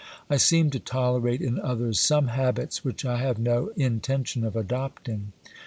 I seem to tolerate in others some habits which I have no intention of adopting.